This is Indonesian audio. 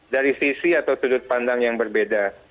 dari sisi atau sudut pandang yang berbeda